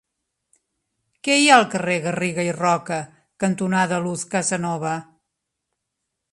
Què hi ha al carrer Garriga i Roca cantonada Luz Casanova?